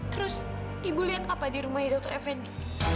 terus ibu liat apa di rumah dokter effendi